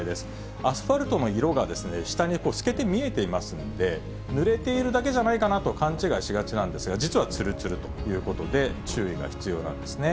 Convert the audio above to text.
アスファルトの色が下に透けて見えていますので、ぬれているだけじゃないかなと勘違いしがちなんですが、実はつるつるということで、注意が必要なんですね。